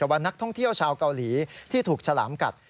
ว่านักท่องเที่ยวชาวเกาหลีที่ถูกฉลามกัด